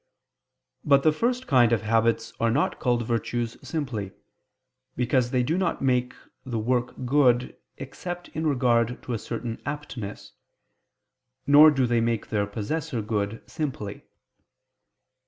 But the first kind of habits are not called virtues simply: because they do not make the work good except in regard to a certain aptness, nor do they make their possessor good simply.